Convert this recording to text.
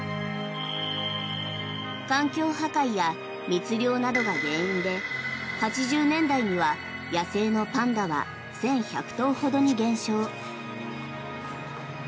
環境破壊や密猟などが原因で８０年代には野生のパンダは１１００頭ほどに減少。